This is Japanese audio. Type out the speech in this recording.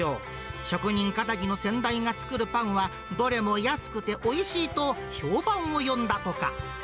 職人気質の先代が作るパンは、どれも安くておいしいと、評判を呼んだとか。